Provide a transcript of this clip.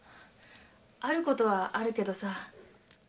あることはあるけどさ。